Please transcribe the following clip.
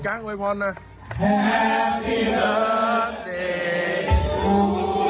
แฮปปี้เบิร์สเจทูยู